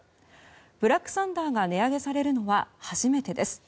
ブラックサンダーが値上げされるのは初めてです。